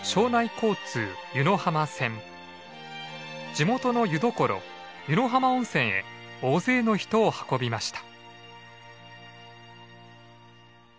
地元の湯どころ湯野浜温泉へ大勢の人を運びました。